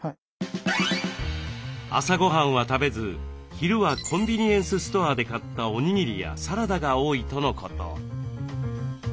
朝ごはんは食べず昼はコンビニエンスストアで買ったおにぎりやサラダが多いとのこと。